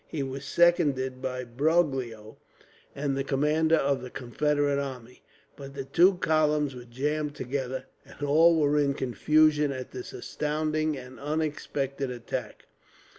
He was seconded by Broglio and the commander of the Confederate army, but the two columns were jammed together, and all were in confusion at this astounding and unexpected attack.